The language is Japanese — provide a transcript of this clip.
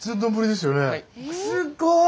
すごい！